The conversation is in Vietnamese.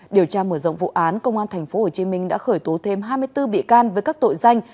điều tra mở rộng vụ án công an tp hcm đã khởi tố thêm hai mươi bốn bị can với các tội danh